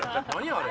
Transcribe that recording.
あれ。